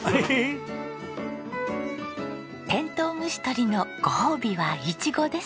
テントウムシ捕りのご褒美はイチゴです。